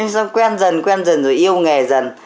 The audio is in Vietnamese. xong quen dần quen dần rồi yêu nghề dần